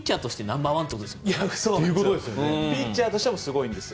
ピッチャーとしてもすごいんですよ。